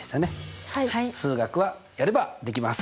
数学はやればできます。